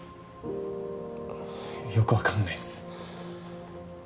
よくわかんないっす。